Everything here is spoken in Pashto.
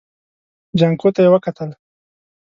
جانکو ته يې وکتل.